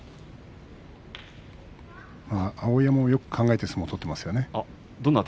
碧山も考えて相撲を取っていますね。